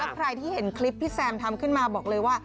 ใครที่เห็นคลิปพี่แซมทำขึ้นมาบอกเลยว่า